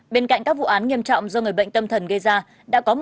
bên cạnh các vụ án nghiêm trọng do người bệnh tâm thần gây ra